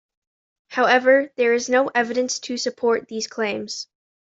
However, there is no evidence to support these claims.